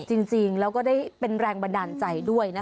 จริงแล้วก็ได้เป็นแรงบันดาลใจด้วยนะคะ